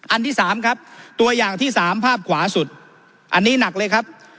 อันที่สามครับตัวอย่างที่สามภาพขวาสุดอันนี้หนักเลยครับ